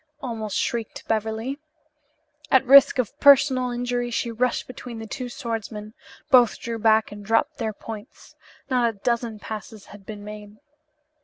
almost shrieked Beverly. At risk of personal injury she rushed between the two swordsmen. Both drew back and dropped their points. Not a dozen passes had been made.